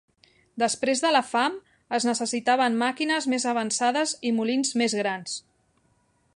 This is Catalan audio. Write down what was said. Després de la fam, es necessitaven màquines més avançades i molins més grans.